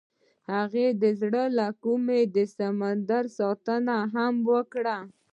هغې د زړه له کومې د سمندر ستاینه هم وکړه.